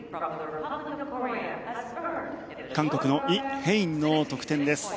韓国のイ・ヘインの得点です。